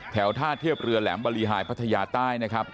ท่าเทียบเรือแหลมบริหายพัทยาใต้นะครับ